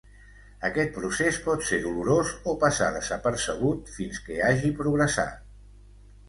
Aquest procés pot ser dolorós o passar desapercebut fins que hagi progressat.